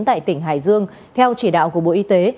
tại tỉnh hải dương theo chỉ đạo của bộ y tế